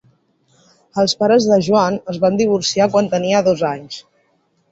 Els pares de Joan es van divorciar quan tenia dos anys.